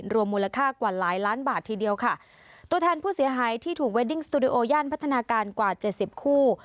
รวมมูลค่ากว่าหลายล้านบาททีเดียวค่ะตัวแทนผู้เสียหายที่ถูกเวดดิ้งสตูดิโดย่านพัฒนาการกว่าเจ็ดสิบคู่